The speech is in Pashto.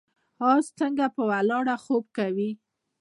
اس څنګه په ولاړه خوب کوي؟